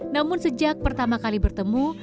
namun sejak pertama kali bertemu